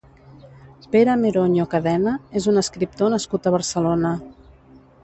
Pere Meroño Cadena és un escriptor nascut a Barcelona.